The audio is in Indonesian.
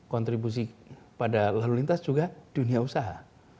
kontribusi pada lalu lintas juga dunia usaha